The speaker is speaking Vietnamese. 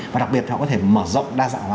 và đặc biệt họ có thể mở rộng đa dạng hóa